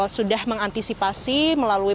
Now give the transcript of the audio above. sudah mengantisipasi melalui